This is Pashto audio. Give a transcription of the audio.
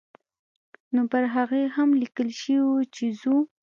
نو پر هغې هم لیکل شوي وو چې ځو.